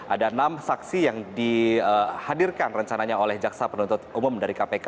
ada enam saksi yang dihadirkan rencananya oleh jaksa penuntut umum dari kpk